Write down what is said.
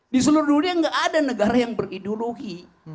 di seluruh dunia tidak ada negara yang berideologi